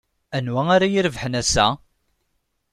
Anwa ay irebḥen ass-a?